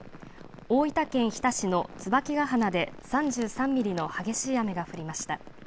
大分県日田市の椿ヶ鼻で３３ミリの激しい雨が降りました。